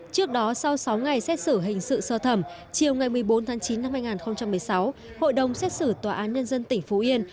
trước đó sau sáu ngày xét xử hình sự sơ thẩm chiều ngày một mươi bốn tháng chín năm hai nghìn một mươi sáu hội đồng xét xử tòa án nhân dân tỉnh phú yên